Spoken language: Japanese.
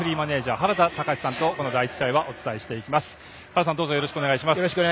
原田さん、よろしくお願いします。